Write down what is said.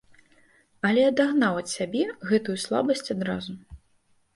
Але адагнаў ад сябе гэтую слабасць адразу.